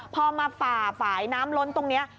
พอมาฝ่าฝ่ายน้ำล้นตรงนี้